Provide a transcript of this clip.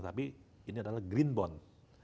tapi ini adalah green bond